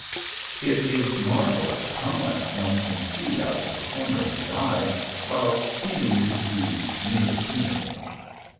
It is marvelous how much one can see out of the corner of the eye, while seeming to view mere scenery.